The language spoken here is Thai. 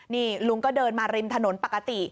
นี่ลุงก็เดินมาริมถนนปกติ